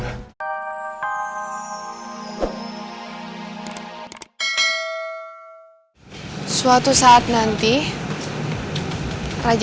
gue nggak salah lihat